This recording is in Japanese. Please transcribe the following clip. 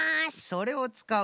それをつかう。